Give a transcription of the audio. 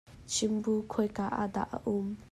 Chimbu khoi ka ah dah a um?